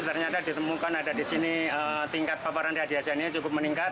ternyata ditemukan ada di sini tingkat paparan radiasi ini cukup meningkat